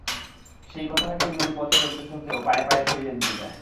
সেই কথাটাকেই বুঝি পথ চলতে চলতে ও পায়ে পায়ে খইয়ে দিতে চায়।